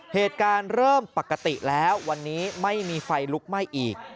เหตุการณ์เริ่มปกติแล้ววันนี้ไม่มีไฟลุกไหม้อีก